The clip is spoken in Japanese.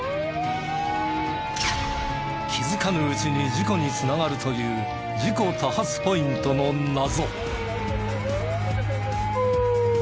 気づかぬうちに事故に繋がるという事故多発ポイントの謎。